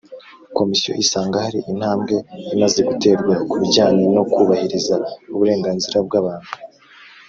Komisiyo isanga hari intambwe imaze guterwa ku bijyanye no kubahiriza uburenganzira bw‘abantu